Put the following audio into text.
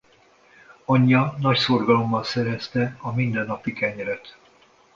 Anyja nagy szorgalommal szerezte a mindennapi kenyeret.